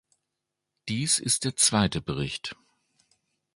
Dies ist der zweite Bericht.